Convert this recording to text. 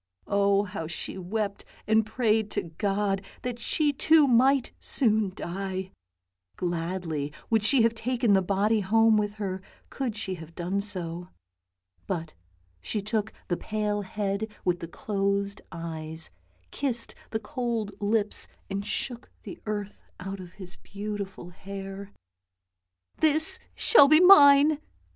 Oh how she wept and prayed to God, that she too might soon die. Gladly would she have taken the body home with her could she have done so. But she took the pale head with the closed eyes, kissed the cold lips and shook the earth out of his beautiful hair. " This shall be mine!